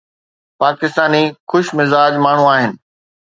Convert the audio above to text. پاڪستاني خوش مزاج ماڻهو آهن